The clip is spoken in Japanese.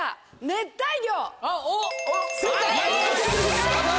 熱帯魚だ！